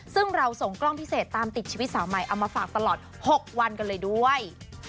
ซึ่งเราส่งกล้องพิเศษตามติดชีวิตสาวใหม่เอามาฝากตลอด๖วันกันเลยด้วย